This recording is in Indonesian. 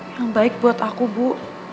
yang baik buat aku bu